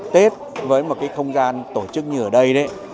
tết với một cái không gian tổ chức như ở đây đấy